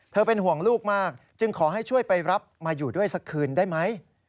เป็นห่วงลูกมากจึงขอให้ช่วยไปรับมาอยู่ด้วยสักคืนได้ไหม